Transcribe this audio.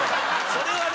それはね。